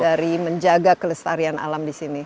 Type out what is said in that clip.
dari menjaga kelestarian alam di sini